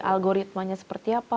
algoritmanya seperti apa